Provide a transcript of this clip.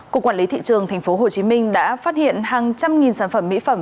cục quản lý thị trường tp hcm đã phát hiện hàng trăm nghìn sản phẩm mỹ phẩm